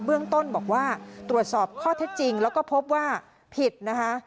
เบื้องต้นบอกว่าตรวจสอบข้อเท็จจริงแล้วก็พบว่าผิดนะคะ